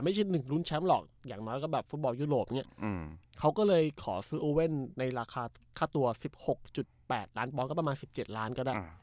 ไม่ใช่หนึ่งรุ่นแชมป์หรอกอย่างน้อยก็แบบฟุตบอลยุโรปเนี้ยอืมเขาก็เลยขอซื้อในราคาค่าตัวสิบหกจุดแปดล้านบอลก็ประมาณสิบเจ็ดล้านก็ได้อ่า